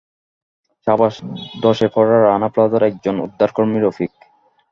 সাভারে ধসে পড়া রানা প্লাজার একজন উদ্ধারকর্মী রফিক।